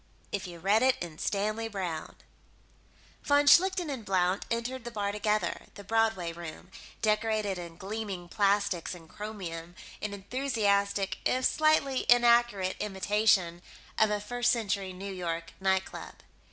If You Read It in Stanley Browne Von Schlichten and Blount entered the bar together the Broadway Room, decorated in gleaming plastics and chromium in enthusiastic if slightly inaccurate imitation of a First Century New York nightclub.